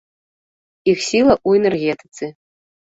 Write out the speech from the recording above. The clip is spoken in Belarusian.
Іх сіла ў энергетыцы.